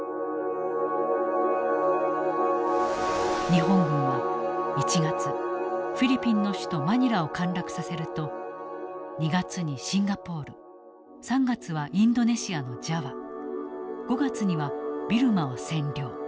日本軍は１月フィリピンの首都マニラを陥落させると２月にシンガポール３月はインドネシアのジャワ５月にはビルマを占領。